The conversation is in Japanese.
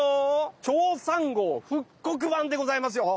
チョーさん号復刻版でございますよ。